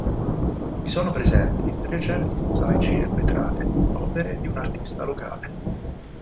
Vi sono presenti recenti mosaici e vetrate, opere di un artista locale.